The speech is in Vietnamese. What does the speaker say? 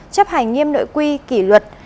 chấp hành nghiêm nội quy kỷ luật